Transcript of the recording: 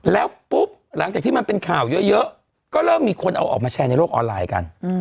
แล้วปุ๊บหลังจากที่มันเป็นข่าวเยอะก็เริ่มมีคนเอาออกมาแชร์ในโลกออนไลน์กัน